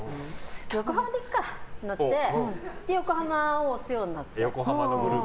横浜でいっかってなって横浜を推すようになって。